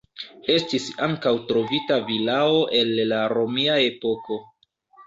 Estis ankaŭ trovita vilao el la romia epoko.